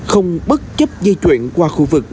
không bất chấp di chuyển qua khu vực